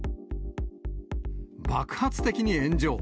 爆発的に炎上。